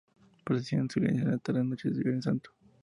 Procesiona en silencio en la tarde-noche del Viernes Santo.